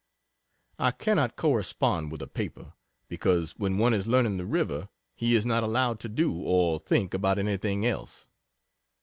I cannot correspond with a paper, because when one is learning the river, he is not allowed to do or think about anything else.